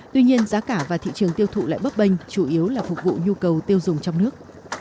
tuy nhiên giá cả và thị trường tiêu thụ lại bấp bênh chủ yếu là phục vụ nhu cầu tiêu dùng trong nước